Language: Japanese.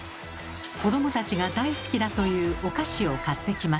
子どもたちが大好きだというお菓子を買ってきました。